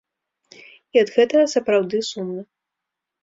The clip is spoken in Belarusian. І ад гэтага сапраўды сумна.